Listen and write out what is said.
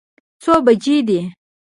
څو بجې دي.